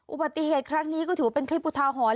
อุบัติเหตุครั้งนี้ก็ถือว่าเป็นคลิปอุทาหรณ์